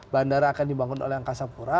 bandara akan dibangun oleh angkasa pura